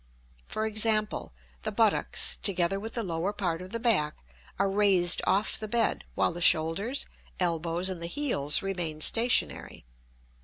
For example, the buttocks, together with the lower part of the back, are raised off the bed, while the shoulders, elbows, and the heels remain stationary.